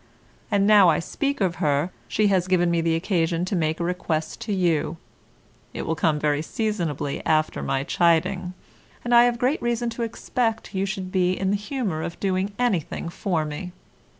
And now I speak of her, she has given me the occasion to make a request to you; it will come very seasonably after my chiding, and I have great reason to expect you should be in the humour of doing anything for me.